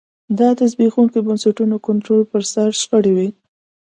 دا د زبېښونکو بنسټونو کنټرول پر سر شخړې وې